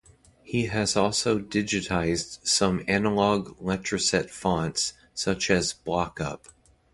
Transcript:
He has also digitised some analog Letraset fonts such as Block-Up.